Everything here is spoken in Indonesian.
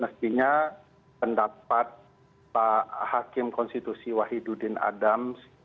mestinya pendapat pak hakim konstitusi wahidudin adam